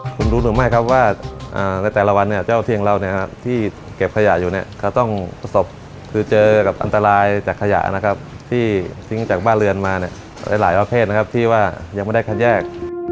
คุณรู้หรือไม่ครับว่าในแต่ละวันเจ้าเทียงเราที่เก็บขยะอยู่ต้องประสบคือเจอกับอันตรายจากขยะที่ทิ้งจากบ้านเรือนมาหลายขเทศที่ยังไม่ได้คัดแยก